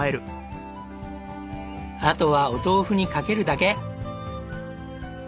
あとはお豆腐にかけるだけ！